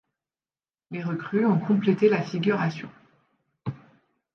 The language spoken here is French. Les recrues ont complété la figuration.